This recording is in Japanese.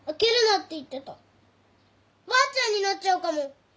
ばあちゃんになっちゃうかも。